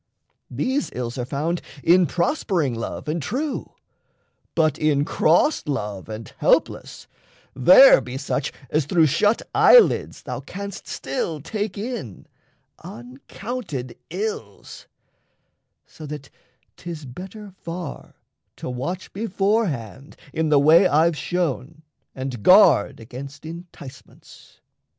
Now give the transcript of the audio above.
These ills are found in prospering love and true; But in crossed love and helpless there be such As through shut eyelids thou canst still take in Uncounted ills; so that 'tis better far To watch beforehand, in the way I've shown, And guard against enticements.